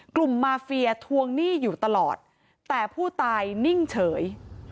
กลุ่มมาเฟียทวงหนี้อยู่ตลอดแต่ผู้ตายนิ่งเฉย